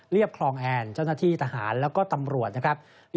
เรียบครองแอนเจ้าหน้าที่ทหารและก็ตำรวจ